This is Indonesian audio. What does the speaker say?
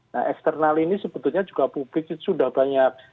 nah eksternal ini sebetulnya juga publik itu sudah banyak